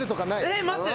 えっ待って。